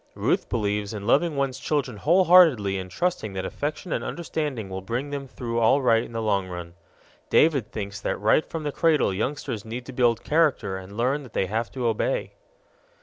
Ruth believes in loving one's children wholeheartedly and trusting that affection and understanding will bring them through all right in the long run; David thinks that right from the cradle youngsters need to build character and to learn that they have to obey.